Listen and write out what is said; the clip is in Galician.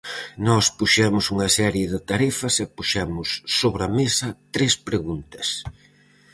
Nós puxemos unha serie de tarefas e puxemos sobre a mesa tres preguntas.